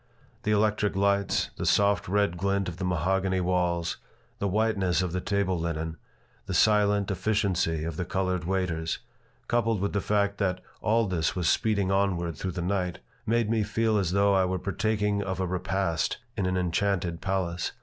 The electric lights, the soft red glint of the mahogany walls, the whiteness of the table linen, the silent efficiency of the colored waiters, coupled with the fact that all this was speeding onward through the night, made me feel as though I were partaking of a repast in an enchanted palace.